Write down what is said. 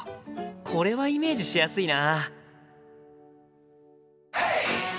これはイメージしやすいな。